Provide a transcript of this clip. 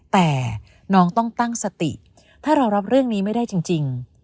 แต่น้องต้องตั้งสติถ้าเรารับเรื่องนี้ไม่ได้จริง